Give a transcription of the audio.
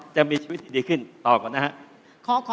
จะมีชีวิตดีขึ้นต่อก่อนนะฮะ